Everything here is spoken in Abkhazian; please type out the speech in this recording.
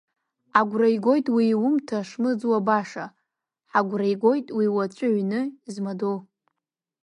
Агәра игоит уи иумҭа шмыӡуа баша, ҳагәра игоит уи уаҵә иҩны змадоу!